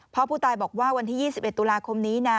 พ่อผู้ตายบอกว่าวันที่๒๑ตุลาคมนี้นะ